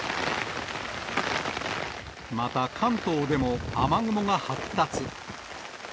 また関東でも雨雲が発達。